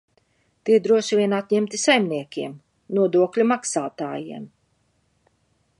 Tie droši vien atņemti saimniekiem, nodokļu maksātājiem.